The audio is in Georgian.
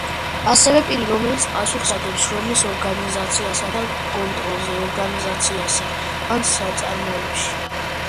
ასევე პირი, რომელიც პასუხს აგებს შრომის ორგანიზაციასა და კონტროლზე ორგანიზაციასა ან საწარმოებში.